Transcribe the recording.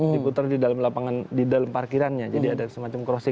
diputar di dalam lapangan di dalam parkirannya jadi ada semacam crossing